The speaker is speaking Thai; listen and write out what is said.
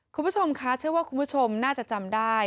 คุณผู้ชมคะเชื่อว่าคุณผู้ชมน่าจะจำได้